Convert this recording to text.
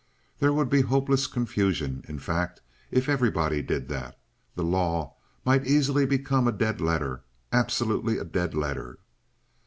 "There would be hopeless confusion in fact, if everybody did that, the law might easily become a dead letter absolutely a dead letter."